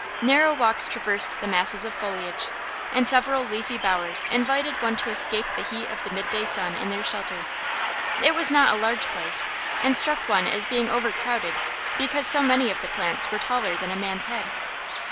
Narrow walks traversed the masses of foliage, and several leafy bowers invited one to escape the heat of the midday sun in their shelter. It was not a large place, and struck one as being overcrowded because so many of the plants were taller than a man's head.